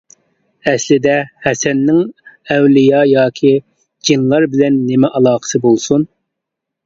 ئەسلىدە ھەسەننىڭ ئەۋلىيا ياكى جىنلار بىلەن نېمە ئالاقىسى بولسۇن.